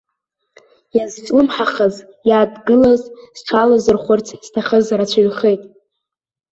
Иазҿлымҳахаз, иадгылаз, зҽалазырхәырц зҭахыз рацәаҩхеит.